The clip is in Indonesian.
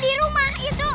di rumah itu